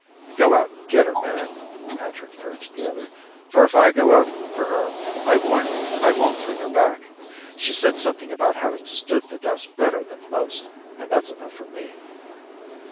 "Go out and get her, man," Patrick urged the other. "For if I go out for her, I warn you I won't bring her back. She said something about having stood the dust better than most, and that's enough for me."